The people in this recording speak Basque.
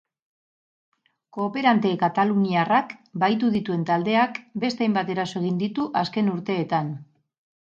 Kooperante kataluniarrak bahitu dituen taldeak beste hainbat eraso egin ditu azken urteetan.